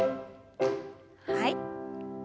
はい。